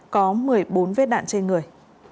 có một mươi bốn vết đạn trên người